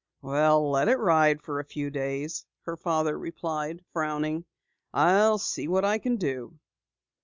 "Well, let it ride for a few days," her father replied, frowning. "I'll see what I can do."